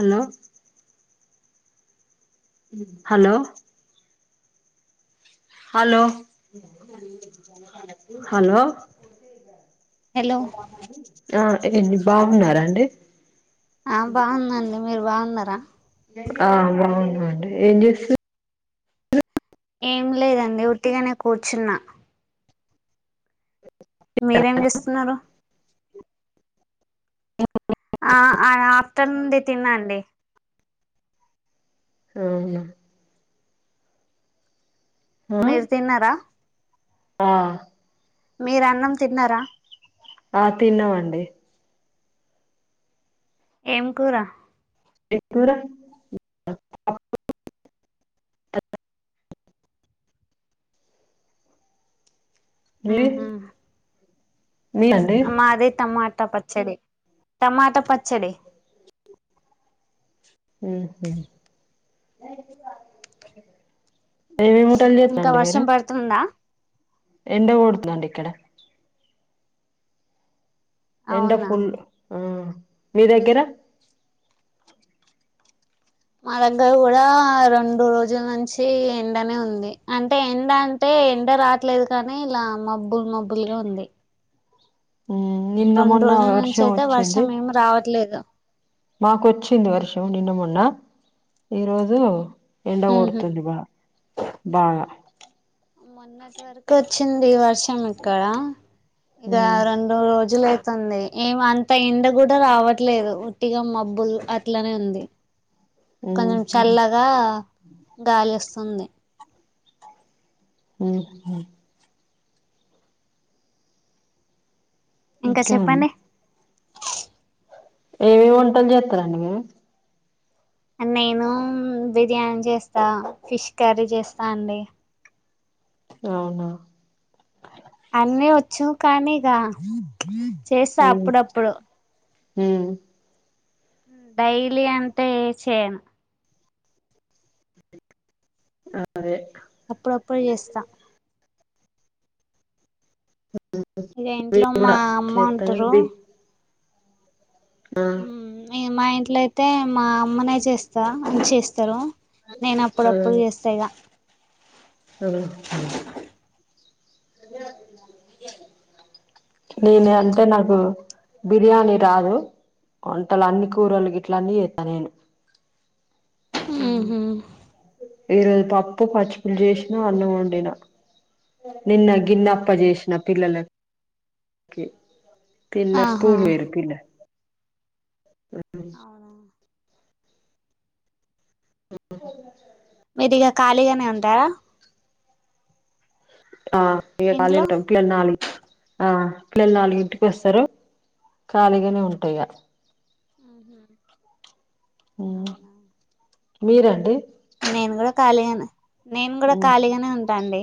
Hello hello hello hello ఆ ఎన్ని బావున్నారాండి ఆ బావున్నా అండి మీరు బావున్నారా ఆ బావున్నాండి ఏన్ జేస్ ఏం లేదండి ఉట్టిగానే కూచ్చున్నా మీరేం చేస్తున్నారు [unintelligible] ఆ ఆ ఆప్తర్నుంది తినండి అవునా మీరు తిన్నారా ఆ మీరు అన్నం తిన్నారా. ఆ తిన్నావండి. ఏం కూర ఎక్ కూరా మీది ఉహు మీదా అండి మది టమాట పచ్ చడీ టమాట పచ్చడి ఉహు ఏమేఏంమొటలు ఇంకా జేతన్నాండి మీరు వర్షం పడుతుందా ఎండ గోడ్తుందండి ఇక్కడ ఎండ అవునా ఫుల్ ఆ మీ దెగ్గర మా దగ్గర కూడా రొండు రోజుల్ నుంచీ ఎండనే ఉంది అంటే ఎండ టే ఎండ రాట్లేదు కానీ ఇలా మబ్బుల్ మబ్బుల్గా ఉంది. ఉ నిన్న రెండు మొన్న రోజుల నుంచి వర్షం అయితే ఒచ్చిది. వర్షం రావట్లేదు మాకొచ్చింది వర్షం నిన్న మొన్న ఈరోజు ఎండ ఉహు గొడుతుంది బా బాగా మొన్నటి వర్కు ఒచ్చింది వర్షం ఇక్కడ. ఇగ ఉమ్ రొండు రోజులు అయితుంది ఏం అం తో ఎండ గూడా రావట్లేదు ఉట్టిగా మబ్బులు అట్లనే ఉంది. కొంజం చల్లగా గాలొస్సుంది. ఉహు ఇంకా ఇకానె చెప్పండి ఏవేవి ఒంటల్ జేత్తరండి మీరు నేనూ బిర్యాని జేస్తా ఫిష్ కర్రీ జేస్తా అండి అవునా అన్నీ వోచ్చు కానీ ఇగా చేస్సా ఉమ్, అప్పుడప్పుడు ఉమ్ డైలి అంటే ఏ చేయను ఆ అదే అప్పుడప్పుడు చేస్తా ఇదె ఇంట్లో మీరు మా కూడా అమ్మ ఉంటరు చేస్తానండి ఆ మీ మా ఇంట్లో లే అయితే మా అమ్మనే చేస్తా అని చేస్తారు నేను అప్పుడప్పుడు చేస్తా ఇగా అఓ [unintelligible] నేను అంటే నాకు బిర్యానీ రాదు వంటలు అన్ని కూరలు గిట్ల అన్ని చేస్తా నేను ఉహు ఈరోజు పప్పు పచ్చి పల్ చేేష్ నుఅన్న వండిన నిన్న గిన్నెప్ప ఆహా చేసిన పిల్లలకు కి పిల్లకు ఆహా స్కూల్ మేరి పిల్ల అ [unintelligible] అవునా ఆ మీరి ఇక ఖాళీగానే ఉంటార ఆ ఇక ఖాళీగా ఇంట్లో ఉంటాం పిల్లలు నాలుగు ఆ పిల్లలు నాలుగింటికి వస్తారు ఖాళీగానే ఉంటా ఇగ ఆహ ఆ మీరండి నేను కూడా ఖాళీగానే నేను కూడా ఉమ్ ఖాళీగానే ఉంటా అండి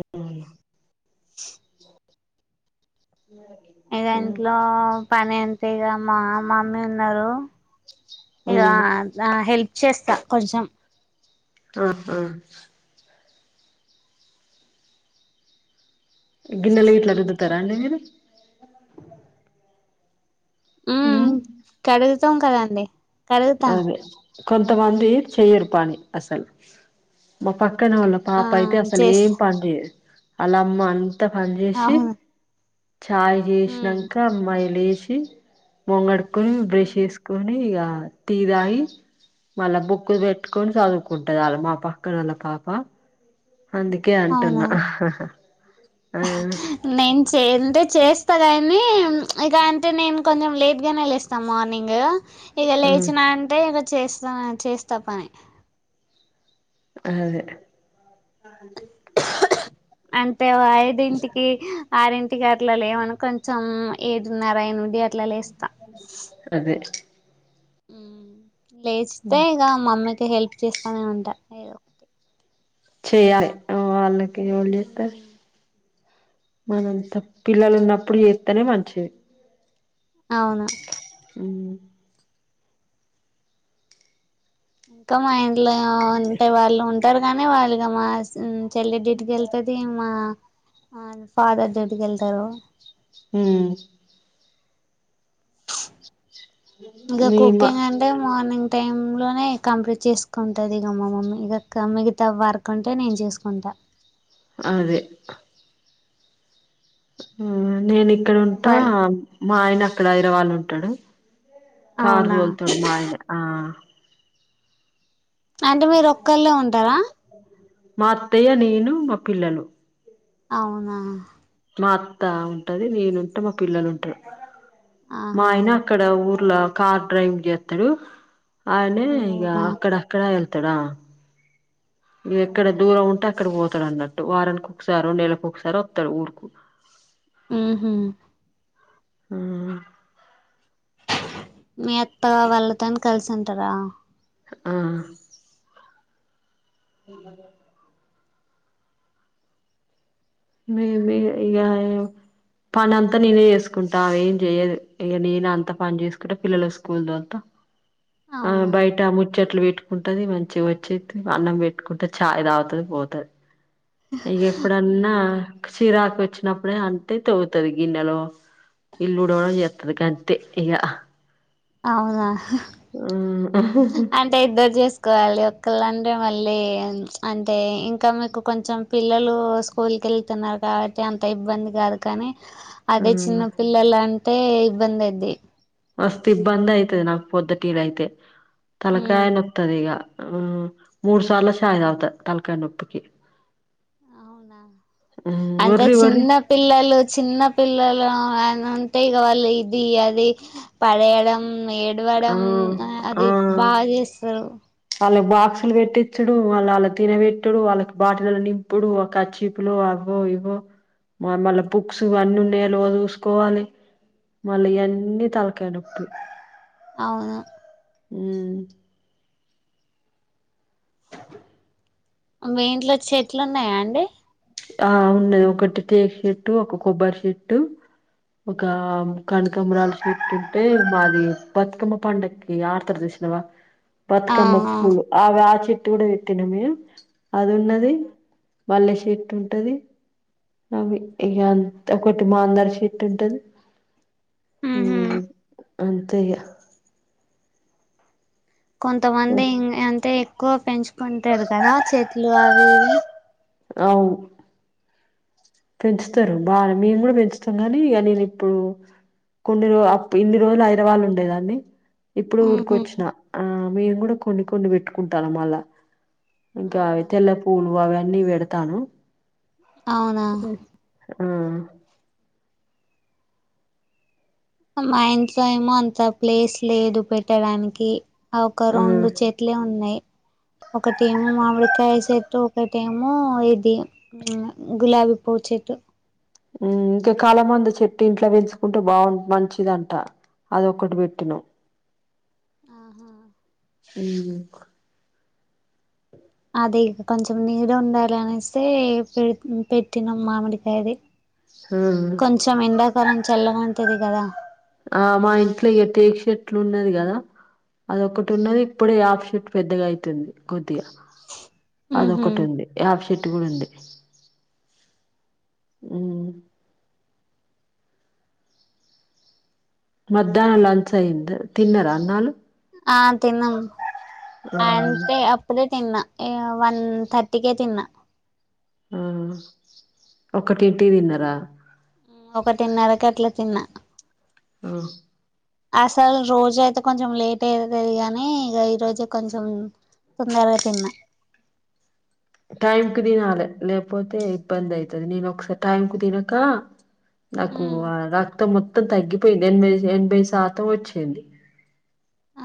ఆ అ [unintelligible] మ్యాగీ ఇక ఇంట్లో పని ఎంత ఇగ మా మమ్మీ ఉన్నారు ఇగ ఉమ్ ద హెల్ప్ చేస్తా కొంచెం ఆ హా గిన్నెలు ఇట్లా రుద్దుతారా అండి మీరు హ ఉమ్ కడుగుతాం కదండి కడుగుతా అదే, కొంతమంది చేయరు పని అసలు మా పక్కన వాళ్లు కు ఆ పాప అయితే అసలు ఏం చేస్తా పని చేయదు వాళ్ల అమ్మ అంతా పని చేసి అవును చాయ్ ఉమ్ చేసినాక అమ్మాయి లేచి మొఖం కడుక్కొని బ్రష్ ఉహు చేసుకొని పోనీ ఇగ టీ తాగి మళ్ళా బుక్కులు పెట్టుకొని చదువుకుంటాది వాళ్లా మా పక్కన వాళ్ళ పాప అందుకే అవునా అంటున్నా ఆహా హా నేను చేయాలంటే చేస్తా కానీ ఇక అంటే నేను కొంచెం లేట్‌గానే లేస్తాం. మార్నింగ్ ఇగ ఉమ్ లేచిన అంటే ఇక చేస్తా చేస్తా పని అదే అంటే ఓ ఐదింటికి. ఆరింటికి అట్లా లేవను కొంచెం ఏడున్నర ఎనిమిది అట్లా లేస్తా అదే ఊ లేచితే ఇక మమ్మీకి హెల్ప్ చేస్తానే ఉంటా ఏదో ఒకటి చేయాలి వాళ్ళకి ఎవళ్లు చేస్తారు మనంత పిల్లలు ఉన్నప్పుడు చేస్తనే మంచిది అవును హు ఇంకా మా ఇంట్లో ఉంటే వాళ్ళు ఉంటారు గానీ వాళ్ళు [unintelligible] చెల్లి డ్యూటీకి వెళ్తుంది. మా ఫాదర్ కూడా డ్యూటీకి వెళ్తారు. ఊ ఇంకా మీ మా కుకింగ్ అం అంటే మార్నింగ్ టైమ్ లోనే కంప్లీట్ చేసుకుంటంది ఇక మామమ్మీ ఇక మిగతా వర్ కంటే నేను చేసుకుంట అదే ఉ నేను ఇక్కడ ఉంటా వాల్ మా అయన అక్కడ హైదరాబాద్లో ఉంటడు కార్ అవునా తోల్తడు మాయన ఆ అంటే మీరు ఒక్కళ్లే ఉంటార మా అత్తయ్య నేను మా పిల్లలు అవునా మా అత్త ఉంటుంది, నేనుంటా, మా పిల్లలు ఉంటరు. మా ఆహా ఆయన అక్కడ ఊర్ల కార్ డ్రైవింగ్ చేస్తడు ఆయనే ఇగ అవునా అక్కడ అక్కడ వెళ్తాడా ఎక్కడ దూరం ఉంటే అక్కడ పోతాడు అన్నట్టు వారానికి ఒకసారి నెళ్లకు ఒకసారి వస్తాడు ఊరుకు ఉహు ఆ మీ అత్త వాళ్ళతోని కలిసి ఉంటర ఆ ఉ. మేమే ఇగ పని అంతా నేనే చేసుకుంటా ఏం చేయదు ఇ నేనే అంత పని చేసుకుంటా పిల్లలు స్కూల్ దొలుత ఆ అవునా బయట ముచ్చట్లు పెట్టు ఉంటది మంచిగా వచ్చే అన్నం పెట్టుకుంటే చాయ్ తాగుతుంది పోతుంది ఇక ఎప్పుడన్న చిరాకు వచ్చినప్పుడే తింటుంది గిన్నెలో. ఇల్లుఊడవడం చేతుందీ ఎక్కడి కంటే ఇక అవునా! ఉ అంటే ఇద్దరు చేసుకోవాలి ఒకళంటే మళ్ళీ అంటే ఇంక మీకు కొంచెం పిల్లలు స్కూల్ కెళ్లుతున్నారు కాబట్టి అంత ఇబ్బంది కాదు కానీ అదే చిన్న పిల్లల అంటే ఇబ్బంది అయ్యిది [unintelligible] ఆ ఉమ్ మూడుసార్ల చాయ్ తాగత తలకాయ నొప్పికి అవునా ఉమ్ అంత ఒర్రి ఒర్రి చిన్న పిల్లలు, చిన్న పిల్లలు ఉంటే కదా వాళ్లు ఇది అది [unintelligible] పడేయడం ఆ ఏడవడం ఆ అది బాగ చేస్తరు వాళ్ళకి బాక్సులు పెట్టిచుడు వాళ్ళు వాళ్ళ తినబెట్టుడు వాళ్ళకి బాటిల నింపుడు ఒకచ్చి అప్పులుఅవ్వోఇవ్వో మళ్లీ బుక్స్ అన్నీ ఉన్నాయో లేదో చూసుకోవాలి. మళ్ళ ఉమ్, ఇయ్యన్ని తలకాయ్నొప్పి అవును ఉ మీ ఇంట్ల చెట్లు ఉన్నయా అండి ఆ ఉన్నది ఒకటి టేకు సేట్టు ఒక కొబ్బరి సేట్టు ఒక కనకంబరాల సేట్టువుంటే మాది బతుకమ్మ పండగకి ఆర్తర్ సుసినవా ఆ బతుకమ్మ ఆ. పూలు అవి ఆ చెట్టు గుడ వేట్టినా మేము అది ఉన్నది అవునా మళ్లే సిట్ ఉంటది ఆ ము ఇగా ఒకటి మాందార చెట్టు ఉంటది ఊ ఉహుమ్ అంతే ఇగ కొంతమంది అంటే ఎక్కువ పెంచుకుంటరు కదా చెట్లు అవి ఇవి అవు పెంచుతరు బాగ మేము కూడా పెంచుతాం గనీ ఇగ నేనిప్పుడు కొన్ని రోజు ఇన్ని రోజులు ఐదరాబాదుళ్ళ ఉండేదాన్ని ఇప్పుడు ఉహు ఊరుకొచ్చిన ఆ మేము గుడ కొన్ని కొన్ని వెట్టుకుంటా మళ్ళ ఇంకా అవి అవునా తెల్ల పూలు అవన్నీ వెడతానం అవునా ఆ మా ఇంట్లో ఏమో అంత ప్లేస్ లేదు పెట్టడానికి ఆ ఒక రెండు చే ట్లే ఉన్నాయి ఒకటేమో మామిడికాయ చెట్టు ఒకటేమో ఇది ఉ గులాబీ పువ్వు చెట్టు ఊ ఇంకా కలమంద చెట్టు ఇంట్లో పెంచుకుంటే బాగు మంచిదంట అదొక్కటి పెట్టినం ఆహా ఉమ్ అది కొంచెం నీడ ఉండాలనేసే పెట్టినం మామిడికాయది ఆ కొంచెం ఎండాకాలం చల్లగా ఉంటది గదా ఆ మా ఇంట్లో ఇక టేక్ చేట్లు ఉన్నది గదా అదొకటి ఉన్నది ఇప్పుడే యాప చెట్టు పెద్దగెతుంది కొద్దిగా అదొ ఉహు ఒకటి ఉంది యాప చెట్టు కూడా ఉంది మధ్యాహ్నం లంచ్ అయింద తిన్నరా అన్నాలు ఆ తిన్నాం ఆ అ అంతే అప్ ఇప్పుడే తిన్న వన్ థర్టీకే తిన్న ఆ ఒకటి టికీ తిన్నారా ఒకటీన్నరకి అట్లా తిన్నా ఆ అసలు రోజు అయితే కొంచెం లేట్ అయింది గానీ ఇగా ఈ రోజే కొంచెం తొందరగా తిన్నా టైం కు తినాలి లేకపోతే ఇబ్బంది అయితాది నేను ఒకసారి టైం కు తినక నాకు ఆ రక్తం మొత్తం తగ్గిపోయింది ఎనభై ఎనభై శాతం వచ్చింది [inaudible]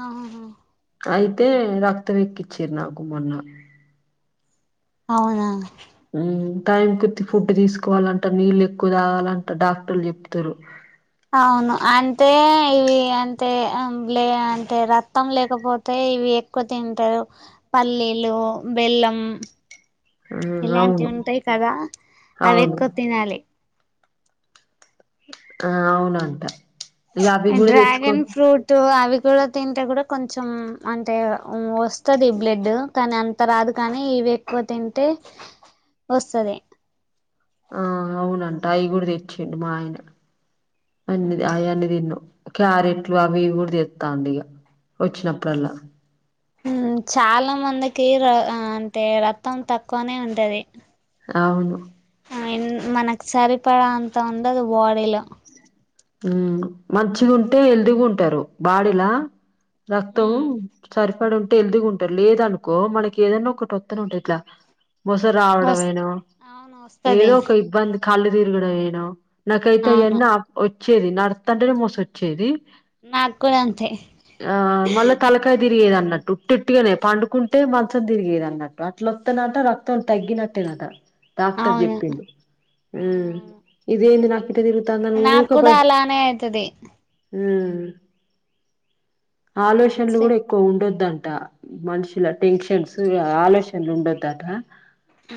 ఆహ హ అయితే రక్తం ఎక్కిచ్చారు నాకు మొన్న అవునా మ్ టైం కొద్ది ఫుడ్ తీసుకోవాలంట. నీళ్ళు ఎక్కువ తాగాలంట డాక్టర్లు చెప్తరు. అవును అంటే ఇవి అంటే లే అంటే రక్తం లేకపోతే ఇవి ఎక్కువ తింటరు. పల్లీలు బెల్లం ఇలాంటివి అవును ఉంటాయి. కదా అవి అవును ఎక్కువ తినాలి. ఆ అవునంట ఇగా అవి గూడా తెచ్చుకో తో అవి కూడా తింటే కూడా కొంచెం అంటే వస్తుంది బ్లడ్ కానీ అంత రాదు. కానీ ఇవి ఎక్కువ తింటే వస్తది. ఆ అవునంట అయి గూడా తెచ్చేడి మా ఆయన అన్ని ఉమ్ ఆయన్ని తిన్న క్యారెట్లు అవి కూడా తెస్తాండు. ఇగా వచ్చినప్పుడల్లా చాలా మందికి ర అంటే రక్తం తక్కువనే ఉంటది. అవును మనకు సరిపడా అంత ఉండదు. బాడీలో మ్ మంచిగా ఉంటే హెల్తీగా ఉంటరు. బాడీలా రక్తం సరిపడ ఉంటే ఎల్దిగా ఉంటరు. లేదనుకో మనకి ఏదనా ఒకటి వత్తనే ఉంటది. ఇట్లా వస్ మొసరావడంమేనో అవును వస్తది ఏదో ఒక ఇబ్బంది కళ్ళు తిరగడంమేనో నాకైతే అవును అయన్నీ వచ్చేది నాడస్టనటనే మోస వచ్చేది. నాకూడ అంతే ఆ మళ్ళా తలకాయ తిరిగేది. అన్నట్టుఉట్టెట్టుగానే పండుకుంటే మంచం తిరిగేది అన్నట్టు అట్లుొస్తనట్ట రక్తం తగ్గినట్టే నట డాక్టర్ అవును చెప్పిండు. అవునవును ఇదేంది నాకు ఇట్టదిరుగుతాంది ఉ నాకు కూడా అలానే అయితది. మ్ ఆలోచనలు కూడా ఎక్కువ ఉండొద్దంట. మనుషుల టెన్షన్స్ ఆలోచనలు ఉండొదటా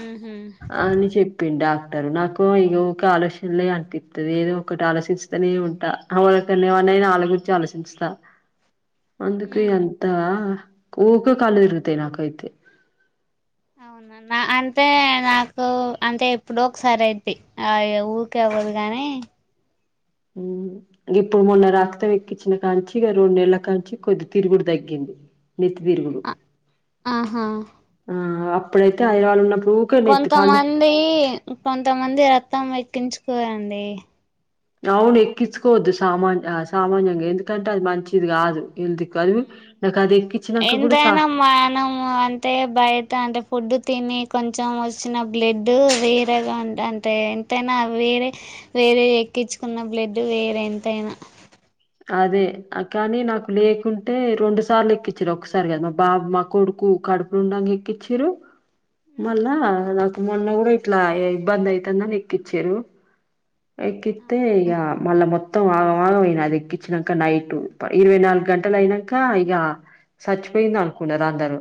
ఉహు అని చెప్ప ప్పి డాక్టర్ నాకు ఇది ఒక ఆలోచనలే అనిపిస్తుంది. ఏదో ఒకటి ఆలోచన చిత్ నే ఉంటా ఎ వలకుఎమ్మెన్నాయినా ఆళ్ళ గురిచే ఆలోచిస్తానీ ఉంటా అందుకె ఉమ్ అంతా ఊకె కళ్ళు తిరుగుతాయ్ నాకైతే అవునా నా అంటే నాకు అంటే ఎప్పుడో ఒకసారి అయితది అయ్యో ఊరికే అవ్వదు గానీ అ ఇప్పుడు మొన్న రక్తం ఎక్కించిన కాంచి ఇక రెండు నెలల కాంచి కొద్ది తిరుగుడు తగ్గింది. నితి [unintelligible] వీరుగుడు ఆ ఆహా ఆ అప్పుడు ఇతే హైదరాబాద్ లో ఉన్నప్పుడు ఊకే నెత్తి పండు కొంతమంది కొంతమంది రక్తం ఎక్కించుకోరడి. అవును ఎక్కించుకోవద్దు. సామాన్ ఆ సామాన్యంగా ఎందుకంటే అది మంచిది కాదు. హెల్తీకాదు నాకు అది ఎక్కించాక కూడా సా మాన అంత [unintelligible] అంటే బయట అంటే ఫుడ్ తిని కొంచెం వచ్చిన బ్లడ్ వేరగా ఉ అంటే ఎంతైనా వేరే వేరే ఎక్కించుకున్న బ్లడ్ వేరే ఎంతైనా అదే కానీ నాకు లేకుంటే రెండు సార్లు ఎక్కించిల్లు ఒక్కసారి కాదు మా బాబు మా కొడుకు కడుపు ఉండగా ఎక్కిచ్చిరు. మళ్ళా నాకు మొన్న కూడా ఇట్లా ఇబ్బంది ఐతుందని ఎక్కిచిల్లు. ఎక్కితే అవునా ఈక మళ్ల మొత్త మొత్తం ఆగమాగమయినాది అది ఏకిచినక నైట్ ఇరవై నాలుగు గంటలు అయినాక ఇగా చచ్చిపోయింది అనుకున్నారు. అందరు